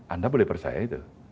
anda boleh percaya itu